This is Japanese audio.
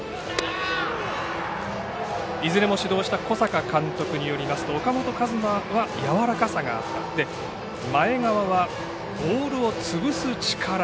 いずれも指導した小坂監督によりますと岡本和真は柔らかさがある前川はボールを潰す力